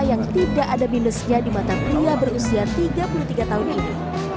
yang tidak ada minusnya di mata pria berusia tiga puluh tiga tahun ini